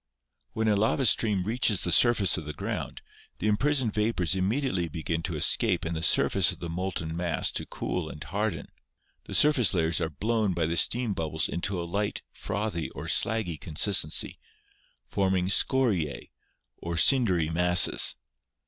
When a lava stream reaches the surface of the ground, the imprisoned vapors immediately begin to escape and the surface of the molten mass to cool and harden. The surface layers are blown by the steam bubbles into a light, frothy or slaggy consistency, forming "scoriae" or cindery masses.